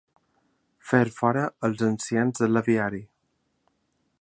Fer fora els ancians de l'aviari.